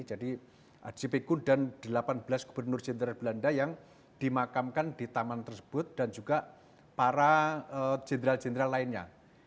jadi jp koon dan delapan belas gubernur cintar belanda yang dimakamkan di taman tersebut dan juga para jenderal jenderal lainnya